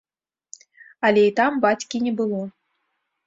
Але і там бацькі не было.